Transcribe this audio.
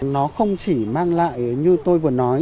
nó không chỉ mang lại như tôi vừa nói